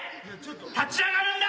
立ち上がるんだ！